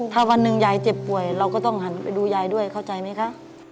ถ้าวันหนึ่งยายเจ็บป่วยเราก็ต้องหันไปดูยายด้วยเข้าใจไหมคะ